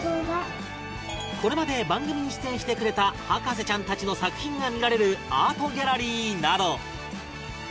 これまで番組に出演してくれた博士ちゃんたちの作品が見られるあーとぎゃらりーなど